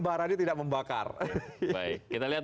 barangnya tidak membakar kita lihat